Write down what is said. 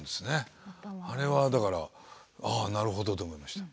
あれはだからああなるほどと思いました。